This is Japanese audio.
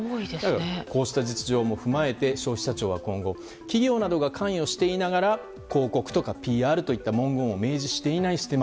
こうした実情も踏まえて消費者庁は今後企業などが関与していながら「広告」とか「ＰＲ」といった文言を明示していないステマ。